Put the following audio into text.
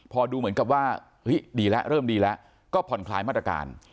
พอดูเหมือนกับว่าเฮ้ยดีแล้วเริ่มดีแล้วก็ผ่อนคลายมาตรการ